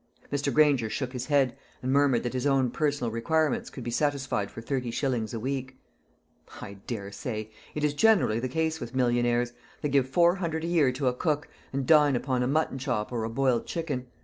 Mr. Granger shook his head, and murmured that his own personal requirements could be satisfied for thirty shillings a week. "I daresay. It is generally the case with millionaires. They give four hundred a year to a cook, and dine upon a mutton chop or a boiled chicken.